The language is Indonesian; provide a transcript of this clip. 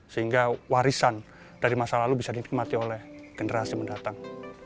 sehingga warisan dari masa lalu bisa dinikmati oleh generasi mendatang